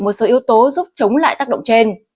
một số yếu tố giúp chống lại tác động trên